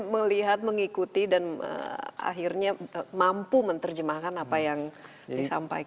melihat mengikuti dan akhirnya mampu menerjemahkan apa yang disampaikan